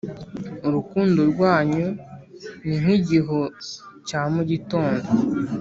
Urukundo rwanyu ni nk’igihu cya mu gitondo,